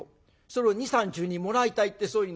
それを２３日中にもらいたいってそう言うの。